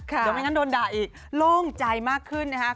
เดี๋ยวไม่งั้นโดนด่าอีกโล่งใจมากขึ้นนะครับ